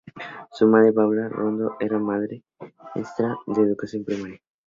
Su madre, Paula Sorondo, era maestra de educación primaria.